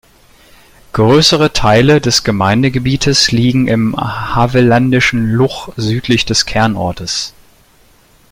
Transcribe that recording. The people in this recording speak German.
Größere Teile des Gemeindegebietes liegen im Havelländischen Luch südlich des Kernortes.